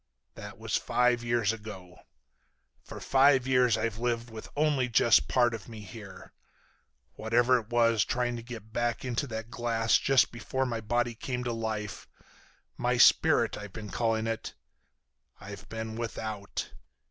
"That was five years ago. For five years I've lived with only just part of me here. Whatever it was trying to get back into that glass just before my body came to life—my spirit, I've been calling it—I've been without.